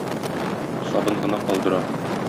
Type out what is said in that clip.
Сабын гына калдыра.